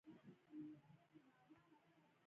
نوی لیکوال نوې دنیا معرفي کوي